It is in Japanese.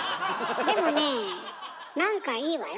でもねえ何かいいわよ。